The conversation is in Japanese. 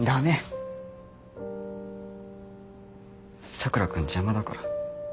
佐倉君邪魔だから。